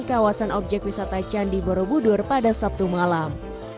kawasan objek wisata candi borobudur pada sabtu malam